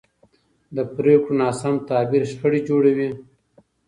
د پرېکړو ناسم تعبیر شخړې جوړوي